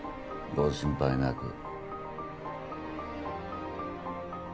ご心配なく。